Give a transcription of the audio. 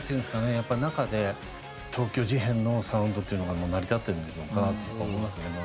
やっぱり中で東京事変のサウンドというのが成り立っているんだろうかとか思いますね。